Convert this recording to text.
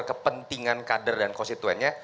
kepentingan kader dan konstituennya